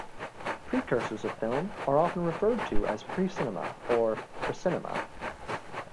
Precursors of film are often referred to as pre-cinema, or 'precinema'.